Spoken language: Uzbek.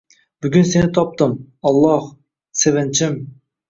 Bugun seni topdim, Alloh, sevinchim